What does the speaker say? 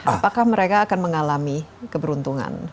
apakah mereka akan mengalami keberuntungan